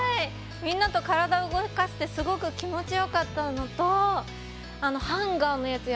みんなと体を動かしてすごく気持ちよかったのとあのハンガーのやつ